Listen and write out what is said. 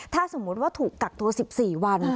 ถ้าสมมุติว่าถูกกักตัว๑๔วัน